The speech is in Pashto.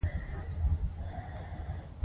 پۀ اسمان نرۍ نرۍ وريځې نمر يخ کړے وو